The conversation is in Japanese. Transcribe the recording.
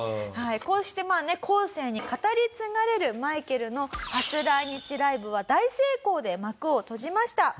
こうしてまあね後世に語り継がれるマイケルの初来日ライブは大成功で幕を閉じました。